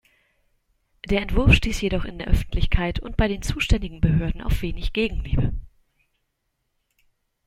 Der Entwurf stieß jedoch in Öffentlichkeit und bei den zuständigen Behörden auf wenig Gegenliebe.